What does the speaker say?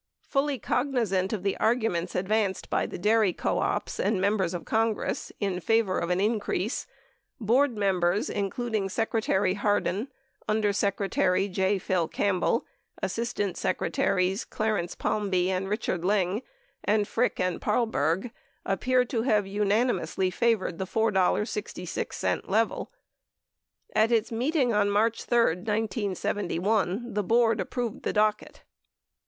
Fully cognizant of the arguments advanced by the dairy co ops and Members of Con gress in favor of an increase, Board members, including Secretary Hardin, Under Secretary J. Phil Campbell, Assistant Secretaries Clarence Palmby and Richard Lyng, and Frick and Paarlberg, appear to have unanimously favored the $4.66 level. At its meeting on March 3, 1971, the Board approved the docket.